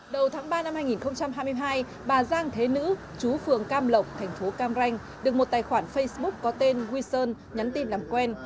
đầu tháng ba năm hai nghìn hai mươi hai bà giang thế nữ chú phường cam lộc thành phố cam ranh được một tài khoản facebook có tên wilson nhắn tin làm quen